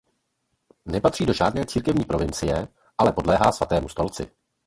Nepatří do žádné církevní provincie ale podléhá Svatému stolci.